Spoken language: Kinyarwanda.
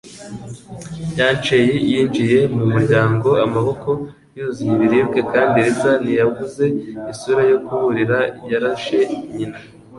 Yancey yinjiye mu muryango amaboko yuzuye ibiribwa kandi Lisa ntiyabuze isura yo kuburira yarashe nyina.